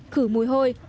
khử mùi hôi